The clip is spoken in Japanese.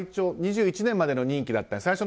２１年までの任期だったんです。